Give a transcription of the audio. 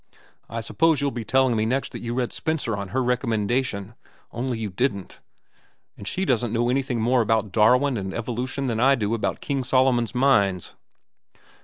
"I suppose you'll be telling me next that you read Spencer on her recommendation—only you didn't. And she doesn't know anything more about Darwin and evolution than I do about King Solomon's mines.